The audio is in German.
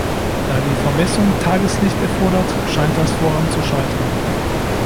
Da die Vermessung Tageslicht erfordert, scheint das Vorhaben zu scheitern.